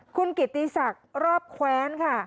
คุณกิตตีสักซ์รอบแคว้น